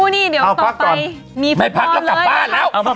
นี่เดี๋ยวต่อไปไม่พักแล้วกลับบ้านแล้ว